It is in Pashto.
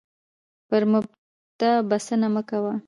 پر مبتدا بسنه مه کوه،